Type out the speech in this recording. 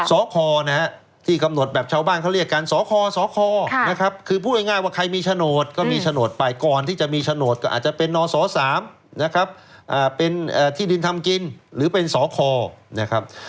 สคนะฮะที่กำหนดแบบชาวบ้านเขาเรียกกันสคสคนะครับคือพูดง่ายว่าใครมีโฉนดก็มีโฉนดไปก่อนที่จะมีโฉนดก็อาจจะเป็นนศ๓นะครับเป็นที่ดินทำกินหรือเป็นสคนะครับ